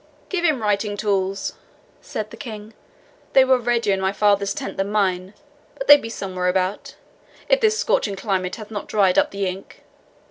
"Give him writing tools," said the King. "They were readier in my father's tent than mine; but they be somewhere about, if this scorching climate have not dried up the ink.